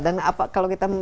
dan apa kalau kita belajar